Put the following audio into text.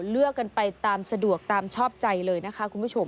เลือกกันไปตามสะดวกตามชอบใจเลยนะคะคุณผู้ชม